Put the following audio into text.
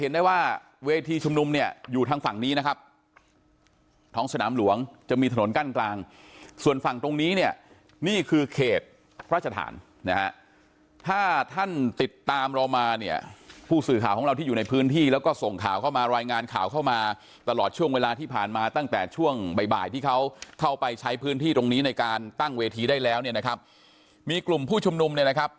ได้ว่าเวทีชุมนุมเนี่ยอยู่ทางฝั่งนี้นะครับท้องสนามหลวงจะมีถนนกั้นกลางส่วนฝั่งตรงนี้เนี่ยนี่คือเขตพระชฐานนะฮะถ้าท่านติดตามเรามาเนี่ยผู้สื่อข่าวของเราที่อยู่ในพื้นที่แล้วก็ส่งข่าวเข้ามารายงานข่าวเข้ามาตลอดช่วงเวลาที่ผ่านมาตั้งแต่ช่วงบ่ายบ่ายที่เขาเข้าไปใช้พื้นที่ตรงนี้ในการตั้งเวทีได้แล้วเนี่ยนะครับมีกลุ่มผู้ชุมนุมเนี่ยนะครับ